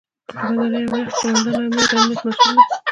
قوماندان امنیه د امنیت مسوول دی